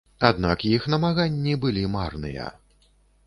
Аднак іх намаганні былі марныя.